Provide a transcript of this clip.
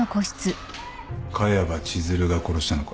萱場千寿留が殺したのか？